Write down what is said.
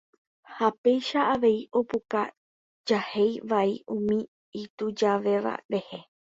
ha péicha avei opuka jahéi vai umi itujavéva rehe.